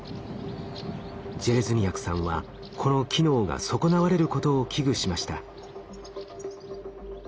ジェレズニヤクさんはこの機能が損なわれることを危惧しました。